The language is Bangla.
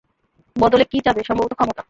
বদলে কি চাবে, সম্ভবত, ক্ষমতা?